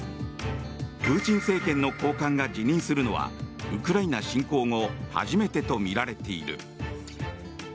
プーチン政権の高官が辞任するのはウクライナ侵攻後初めてとみられている。